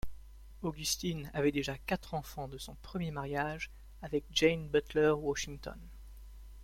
Augustine avait déjà quatre enfants de son premier mariage avec Jane Butler Washington.